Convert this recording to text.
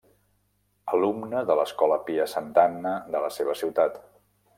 Alumne de l'Escola Pia Santa Anna de la seva ciutat.